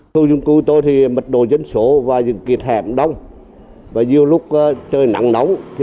khu dân cư tôi thì mệt đồ dấn sổ và những kiệt hẻm đông và nhiều lúc trời nặng nóng thì